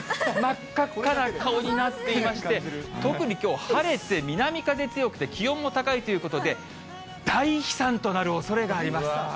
真っ赤っかな顔になっていまして、特にきょう、晴れて南風強くて、気温も高いということで、大飛散となるおそれがあります。